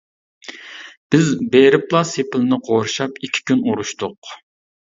بىز بېرىپلا سېپىلنى قورشاپ ئىككى كۈن ئۇرۇشتۇق.